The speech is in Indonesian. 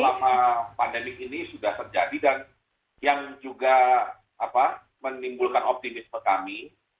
selama pandemi ini sudah terjadi dan yang juga menimbulkan optimisme kami